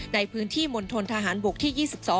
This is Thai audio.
ในพื้นที่มณฑนทหารบกที่๒๒